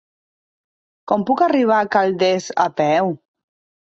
Com puc arribar a Calders a peu?